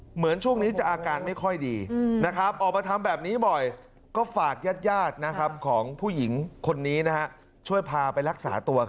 เหมือนช่วงนี้จะอาการไม่ค่อยดีออกมาทำแบบนี้บ่อยก็ฝากญาติของผู้หญิงคนนี้ช่วยพาไปรักษาตัว